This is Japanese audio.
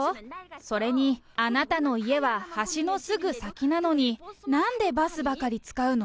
それに、あなたの家は橋のすぐ先なのに、なんでバスばかり使うの。